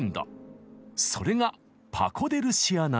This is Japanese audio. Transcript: それがパコ・デ・ルシアなのです。